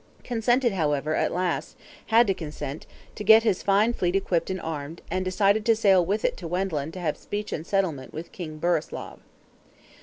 Consented, however, at last, had to consent, to get his fine fleet equipped and armed, and decide to sail with it to Wendland to have speech and settlement with King Burislav.